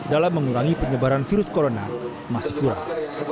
dalam mengurangi penyebaran virus corona masih kurang